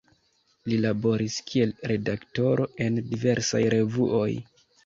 Li laboris kiel redaktoro en diversaj revuoj.